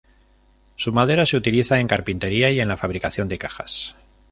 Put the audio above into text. Su madera se utiliza en carpintería y en la fabricación de cajas.